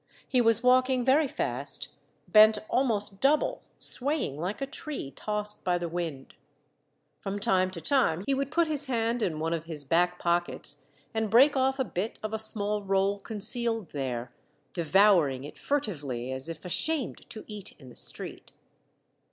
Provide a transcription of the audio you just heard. He was walking very fast, bent almost double, swaying like a tree tossed by the wind. From time to time he would put his hand in one of his back pockets and break ofif a bit of a small roll concealed there, devouring it furtively, as if ashamed to eat in the street.